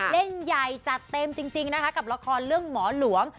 เล่นใหญ่จัดเต็มจริงนะคะกับละครเรื่องหมอหลวง